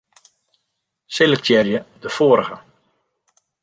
Selektearje de foarige.